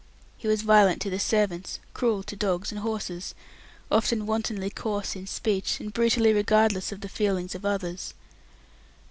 He was violent to the servants, cruel to dogs and horses, often wantonly coarse in speech, and brutally regardless of the feelings of others.